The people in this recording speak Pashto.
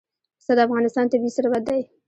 پسه د افغانستان طبعي ثروت دی.